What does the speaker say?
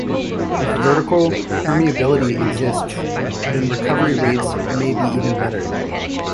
If vertical permeability exists then recovery rates may be even better.